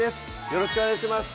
よろしくお願いします